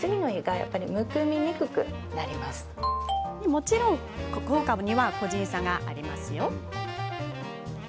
もちろん効果には個人差がありますよ。